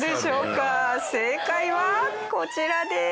正解はこちらです。